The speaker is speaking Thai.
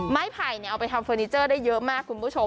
ไผ่เอาไปทำเฟอร์นิเจอร์ได้เยอะมากคุณผู้ชม